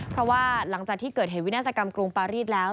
เพราะว่าหลังจากที่เกิดเหตุวินาศกรรมกรุงปารีสแล้ว